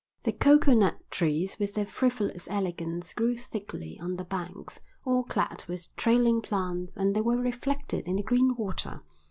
The coconut trees, with their frivolous elegance, grew thickly on the banks, all clad with trailing plants, and they were reflected in the green water.